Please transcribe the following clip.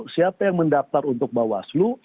siapa yang mendaftar untuk bawaslu